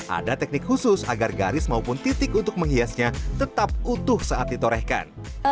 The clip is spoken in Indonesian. ada teknik khusus agar garis maupun titik untuk menghiasnya tetap utuh saat ditorehkan